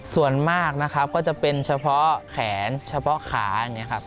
ส่วนมากนะครับก็จะเป็นเฉพาะแขนเฉพาะขาอย่างนี้ครับ